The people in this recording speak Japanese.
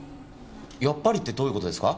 やっぱりってどういうことですか？